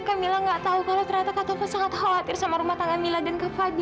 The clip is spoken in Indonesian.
kak mila gak tahu kalau ternyata kak taufan sangat khawatir sama rumah tangga mila dan kak fadil